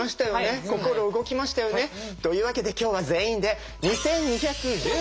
心動きましたよね。というわけで今日は全員で２２１３ハート！